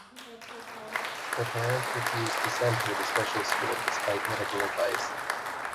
Her parents refused to send her to special school despite medical advice.